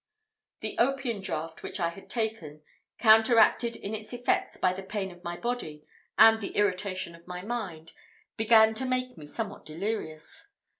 The opium draught which I had taken, counteracted in its effects by the pain of my body, and the irritation of my mind, began to make me somewhat delirious.